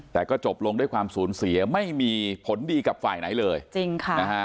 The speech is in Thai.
แต่ก็จบลงด้วยความสูญเสียไม่มีผลดีกับฝ่ายไหนเลยจริงค่ะนะฮะ